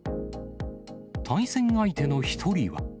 対戦相手の１人は。